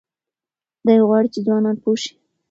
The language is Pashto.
دی غواړي چې ځوانان پوه شي.